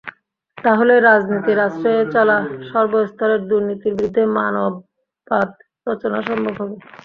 তাহলেই রাজনীতির আশ্রয়ে চলা সর্বস্তরের দুর্নীতির বিরুদ্ধে মানববাঁধ রচনা সম্ভব হবে।